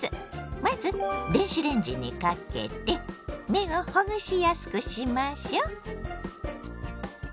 まず電子レンジにかけて麺をほぐしやくしましょ。